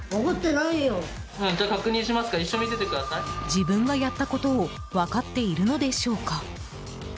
自分がやったことを分かっているのでしょうか。